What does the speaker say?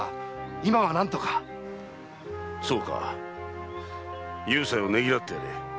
そうか幽斎をねぎらってやれ。